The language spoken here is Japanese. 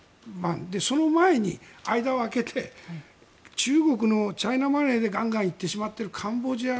その前に間を空けて中国のチャイナマネーでガンガン行ってしまっているカンボジア